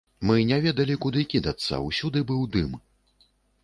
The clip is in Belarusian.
Мы не ведалі, куды кідацца, усюды быў дым.